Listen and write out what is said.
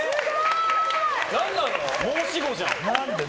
申し子じゃん。